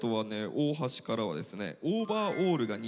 大橋からはですね。